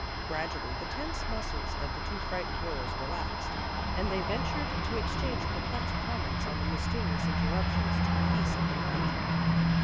Gradually the tense muscles of the two frightened girls relaxed, and they ventured to exchange perplexed comments on the mysterious interruptions to the peace of the night.